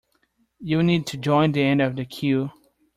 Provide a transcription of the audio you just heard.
You will need to join the end of the queue.